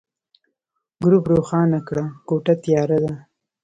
ګروپ روښانه کړه، کوټه تياره ده.